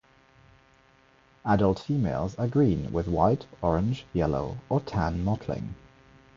Adult females are green with white, orange, yellow, or tan mottling.